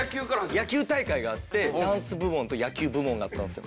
野球大会があってダンス部門と野球部門があったんですよ。